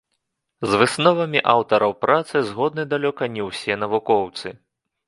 З высновамі аўтараў працы згодны далёка не ўсе навукоўцы.